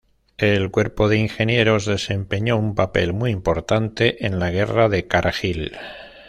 El Cuerpo de Ingenieros desempeñó un papel muy importante en la Guerra de Kargil.